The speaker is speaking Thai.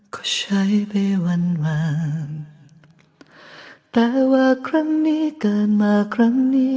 ก็ใช้ไปวันวางแต่ว่าครั้งนี้เกิดมาครั้งนี้